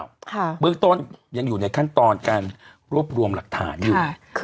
ค่ะเบื้องต้นยังอยู่ในขั้นตอนการรวบรวมหลักฐานอยู่ใช่ค่ะ